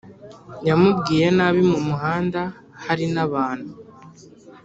Yamubwiye nabi mu muhanda hari nabanu